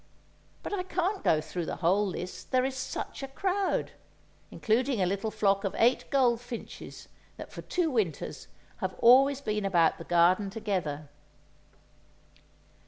But I can't go through the whole list, there is such a crowd—including a little flock of eight goldfinches that for two winters have always been about the garden together.